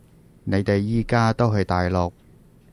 你哋而家都喺大陸？